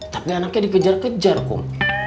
tapi anaknya dikejar kejar kok